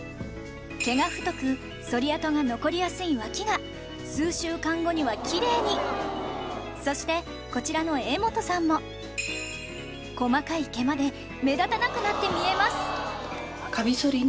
毛が太く剃り跡が残りやすい脇が数週間後にはキレイにそしてこちらの絵元さんも細かい毛まで目立たなくなって見えます